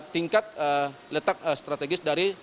tingkat letak strategis dari